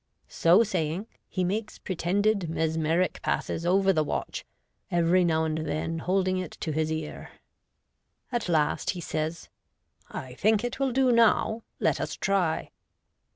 So saying, he makes pretended mes meric passes over the watch, every now and then holding it to his ear. At last he says, " I think it will do now. Let us try."